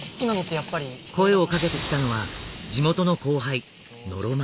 声をかけてきたのは地元の後輩ノロマ。